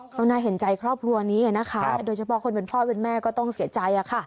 ก็น่าเห็นใจครอบครัวนี้นะคะโดยเฉพาะคนเป็นพ่อเป็นแม่ก็ต้องเสียใจ